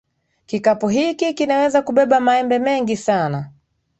Kikapu hiki kinaweza kubeba maembe mengi sana.